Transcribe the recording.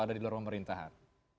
ada di luar pemerintahan